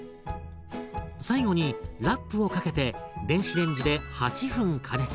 最後にラップをかけて電子レンジで８分加熱。